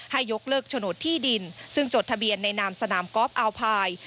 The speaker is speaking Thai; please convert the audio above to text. ยกเลิกโฉนดที่ดินซึ่งจดทะเบียนในนามสนามกอล์ฟอัลพาย